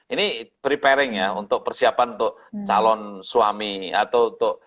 ini preparing ya untuk persiapan untuk calon suami atau untuk